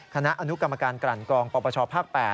คณะอนุกรรมการกลั่นกรองปปชภาค๘